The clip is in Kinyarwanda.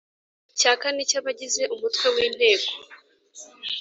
cya kane cy abagize Umutwe w Inteko